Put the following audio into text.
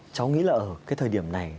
cháu nghĩ là ở cái thời điểm này